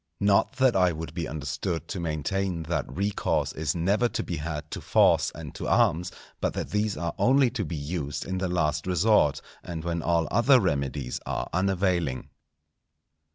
Not that I would be understood to maintain that recourse is never to be had to force and to arms, but that these are only to be used in the last resort, and when all other remedies are unavailing.